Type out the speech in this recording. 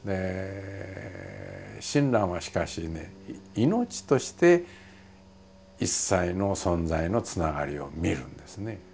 親鸞はしかしね命として一切の存在のつながりを見るんですね。